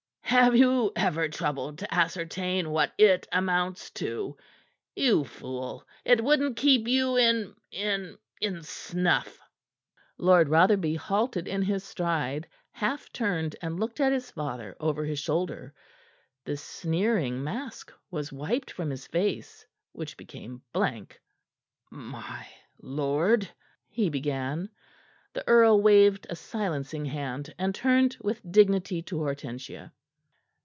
"Have you ever troubled to ascertain what it amounts to? You fool, it wouldn't keep you in in in snuff!" Lord Rotherby halted in his stride, half turned and looked at his father over his shoulder. The sneering mask was wiped from his face, which became blank. "My lord " he began. The earl waved a silencing hand, and turned with dignity to Hortensia.